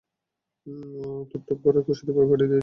তোর টপ করার খুশিতে বাবা পার্টি দিয়েছেন!